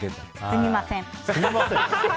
すみません。